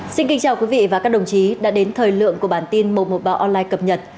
xin kính chào quý vị và các đồng chí đã đến thời lượng của bản tin một trăm một mươi ba online cập nhật